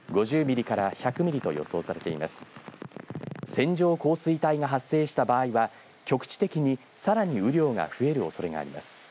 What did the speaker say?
線状降水帯が発生した場合は局地的にさらに雨量が増えるおそれがあります。